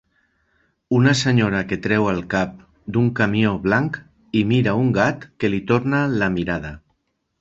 Una senyora que treu el cap d'un camió blanc i mira un gat que li torna la mirada